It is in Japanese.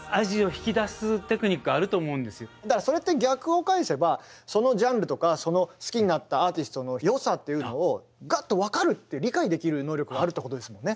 だからそれって逆を返せばそのジャンルとかその好きになったアーティストのよさっていうのをガッと分かるっていう理解できる能力があるってことですもんね。